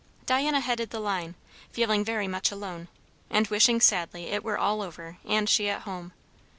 Diana headed the line, feeling very much alone, and wishing sadly it were all over and she at home.